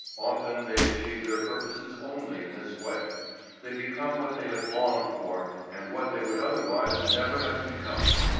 Often they achieve their purposes only in this way. They become what they have longed for and what they would otherwise never have become.